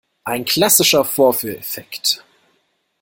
Ein klassischer Vorführeffekt!